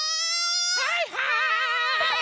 はいはい！